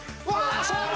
勝負！